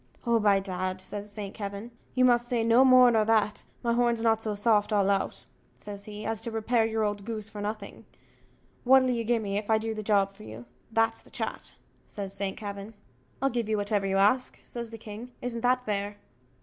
"Oh, by dad," says St. Kavin, "you must say more nor that my horn's not so soft all out," says he, "as to repair your old goose for nothing;" "what'll you gi' me if I do the job for you? that's the chat," says St. Kavin. "I'll give you whatever you ask," says the king "isn't that fair?"